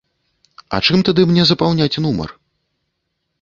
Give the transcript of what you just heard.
А чым тады мне запаўняць нумар?